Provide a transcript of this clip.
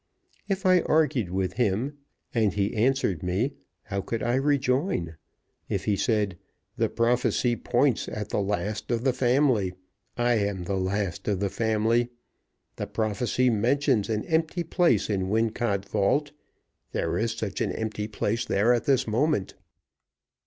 If I argued with him, and he answered me, how could I rejoin? If he said, "The prophecy points at the last of the family: I am the last of the family. The prophecy mentions an empty place in Wincot vault; there is such an empty place there at this moment.